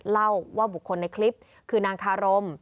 เล่าว่าบุคคลในคลิปคือนางคารม